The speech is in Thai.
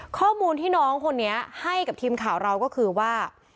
ข้อมูลที่น้องคนนี้ให้กับทีมข่าวเราก็คือว่า